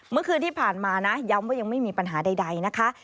เมื่อคืนที่ผ่านมานะย้ำว่ายังไม่มีปัญหาใดนะคะ